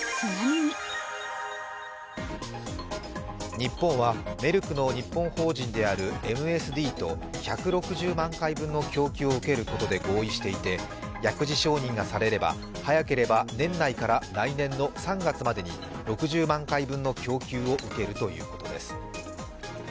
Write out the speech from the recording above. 日本はメルクの日本法人であるＭＳＤと１６０万回分の供給を受けることで合意していて、薬事承認がされれば、早ければ年内から来年の３月までに６０万回分の供給を受けるということです。